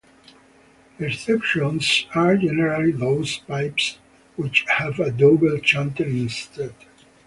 Exceptions are generally those pipes which have a double-chanter instead.